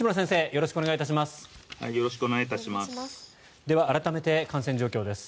よろしくお願いします。